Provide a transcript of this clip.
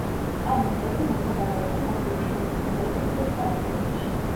ამ მიწებზე მომთაბარეობდნენ გაცილებით მეტი მონღოლები ვიდრე სხვა რეგიონებში.